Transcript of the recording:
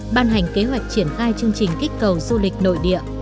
ban hành kế hoạch triển khai chương trình kích cầu du lịch nội địa